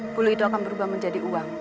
hulu itu akan berubah menjadi uang